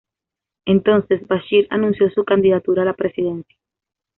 Entonces, Bashir anunció su candidatura a la presidencia.